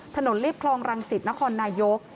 ถนนเรียบคลองรังสิตนครนายก